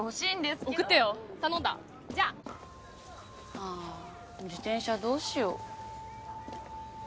ああ自転車どうしよう。